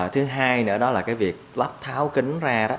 thứ hai nữa đó là cái việc lắp tháo kính ra đó